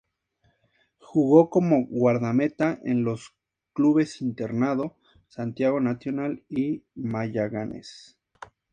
Jugó como guardameta en los clubes Internado, Santiago National y Magallanes.